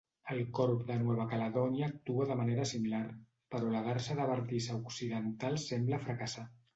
El corb de Nueva Caledònia actua de manera similar, però la garsa de bardissa occidental sembla fracassar.